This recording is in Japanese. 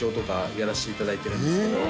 やらせて頂いてるんですけど。